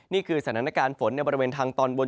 นี่คือสถานการณ์ฝนในบริเวณทางตอนบน